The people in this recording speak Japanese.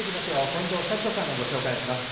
近藤幸子さんがご紹介します。